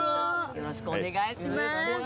よろしくお願いします。